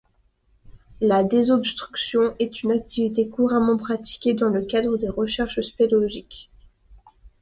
La désobstruction est une activité couramment pratiquée dans le cadre de recherches spéléologiques.